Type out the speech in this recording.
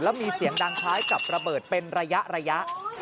แล้วมีเสียงดังคล้ายกับระเบิดเป็นระยะ